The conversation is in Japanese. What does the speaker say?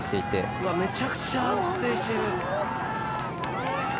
うわめちゃくちゃ安定してる。